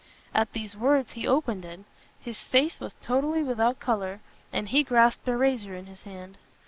At these words he opened it; his face was totally without colour, and he grasped a razor in his hand.